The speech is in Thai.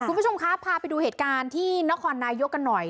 คุณผู้ชมครับพาไปดูเหตุการณ์ที่นครนายกกันหน่อย